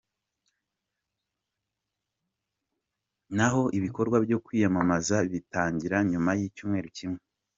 Na ho ibikorwa byo kwiyamamaza bigatangira nyuma y'icyumweru kimwe.